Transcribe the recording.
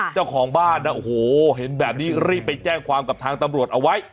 เจ้าของบ้านโอ้โหเห็นแบบนี้รีบไปแจ้งความกับทางตำรวจเอาไว้